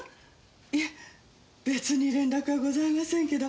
いえ別に連絡はございませんけど。